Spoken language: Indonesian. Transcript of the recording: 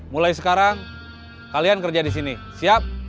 mulai sekarang kalian kerja di sini siap